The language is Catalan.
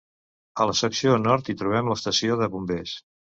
A la secció nord hi trobem l'estació de bombers.